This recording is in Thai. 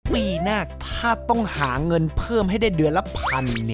ปีหน้าถ้าต้องหาเงินเพิ่มให้ได้เดือนละพัน